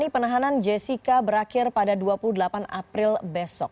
penahanan jessica berakhir pada dua puluh delapan april besok